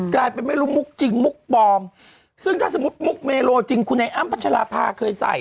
กลายเป็นไม่รู้มุกจริงมุกปลอมซึ่งถ้าสมมุติมุกเมโลจริงคุณไอ้อ้ำพัชราภาเคยใส่